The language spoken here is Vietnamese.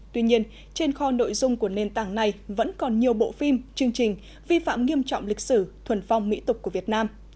tuy nhiên trên kho nội dung của nền tảng này vẫn còn nhiều bộ phim chương trình vi phạm nghiêm trọng lịch sử thuần phong mỹ tục của việt nam